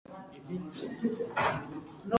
• ملګری د انسان شخصیت جوړوي.